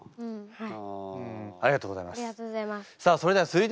はい！